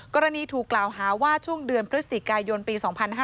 กรณีถูกกล่าวหาว่าช่วงเดือนพฤศจิกายนปี๒๕๕๙